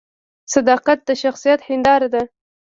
صداقت د شخصیت هنداره ده